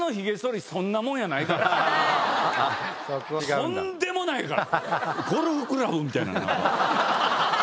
とんでもないから。